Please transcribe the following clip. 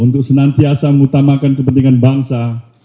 untuk senantiasa mengutamakan kepentingan bangsa